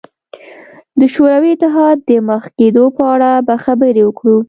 د شوروي اتحاد د مخ کېدو په اړه به خبرې وکړو.